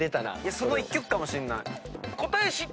その１曲かもしれない。